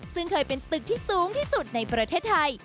ซึ่งเคยเป็นตึกที่สูงที่สุดในประเทศไทย